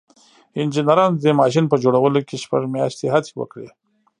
انجنيرانو د دې ماشين په جوړولو کې شپږ مياشتې هڅې وکړې.